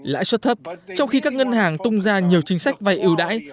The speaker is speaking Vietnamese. lãi suất thấp trong khi các ngân hàng tung ra nhiều chính sách vay ưu đãi